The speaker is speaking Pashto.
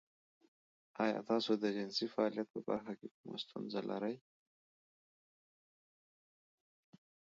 ایا تاسو د جنسي فعالیت په برخه کې کومه ستونزه لرئ؟